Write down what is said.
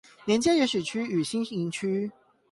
連接鹽水區與新營區